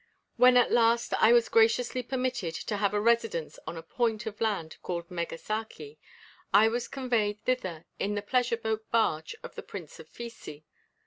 When, at last, I was graciously permitted to have a residence on a point of land called Megasaki, I was conveyed thither in the pleasure barge of the Prince of Fisi.